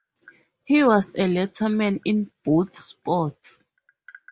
He was a letterman in both sports.